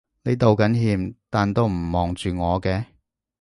你道緊歉但都唔望住我嘅